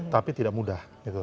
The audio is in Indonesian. tapi tidak mudah